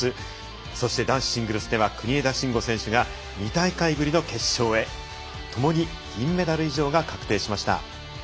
そして男子シングルスでは国枝慎吾選手が２大会ぶりの決勝へともに銀メダル以上が確定しました。